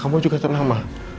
kamu juga tenang ma